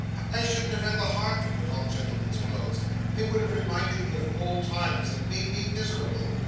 I shouldn't have had the heart to put on gentleman's clothes. They would have reminded me of old times and made me miserable.